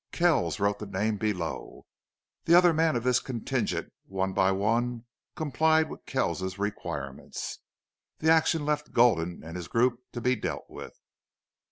Kells wrote the name below. The other men of this contingent one by one complied with Kells's requirements. This action left Gulden and his group to be dealt with.